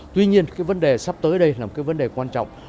tuy nhiên vấn đề sắp tới đây là vấn đề quan trọng